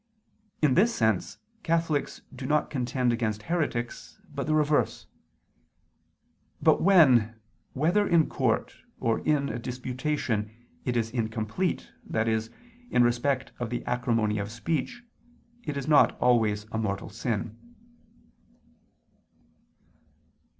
In this sense Catholics do not contend against heretics, but the reverse. But when, whether in court or in a disputation, it is incomplete, i.e. in respect of the acrimony of speech, it is not always a mortal sin.